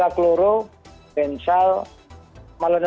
nah ini mungkin tiga tiganya itu